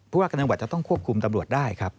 ว่าการจังหวัดจะต้องควบคุมตำรวจได้ครับ